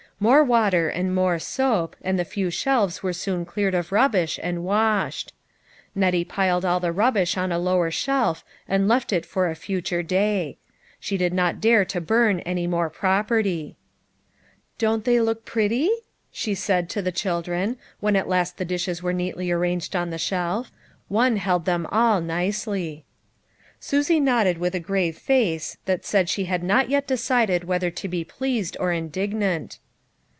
More water and more soap, and the few shelves were soon cleared of rubbish, and washed. Nettie piled all the rubbish on a lower shelf and left it for a future day. She did not dare to burn any more property. 38 LITTLE FISHERS I AND THEIK NETS. " Don't they look pretty ?" she said to the children, when at last the dishes were neatly ar ranged on the shelf. One held them all, nicely. Susie nodded with a grave face that said she had not yet decided whether to be pleased or indignant.